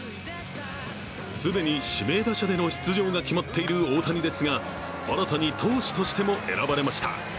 既に指名打者での出場が決まっている大谷ですが新たに投手としても選ばれました。